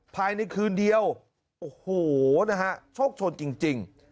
ภายในคืนเดียวโอ้โหนะฮะโชคชนจริง